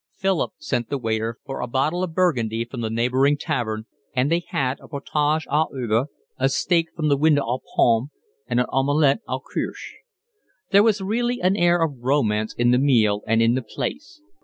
Philip sent the waiter for a bottle of Burgundy from the neighbouring tavern, and they had a potage aux herbes, a steak from the window aux pommes, and an omelette au kirsch. There was really an air of romance in the meal and in the place.